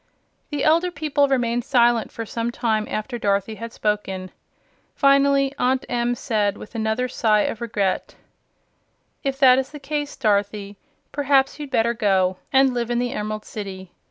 The elder people remained silent for some time after Dorothy had spoken. Finally, Aunt Em said, with another sigh of regret: "If that is the case, Dorothy, perhaps you'd better go and live in the Emerald City.